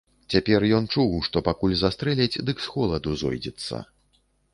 Цяпер ён чуў, што пакуль застрэляць, дык з холаду зойдзецца.